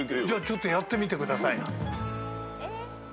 じゃあちょっとやってみてくださいな。